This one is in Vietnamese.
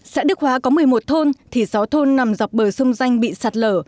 xã đức hóa có một mươi một thôn thì sáu thôn nằm dọc bờ sông danh bị sạt lở